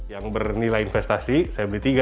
yang bernilai investasi saya beli tiga